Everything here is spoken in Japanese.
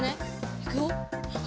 いくよ。